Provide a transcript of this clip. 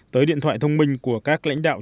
tới điện thoại thông minh của các lãnh đạo